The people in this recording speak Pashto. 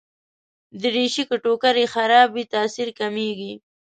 دریشي که ټوکر يې خراب وي، تاثیر کمېږي.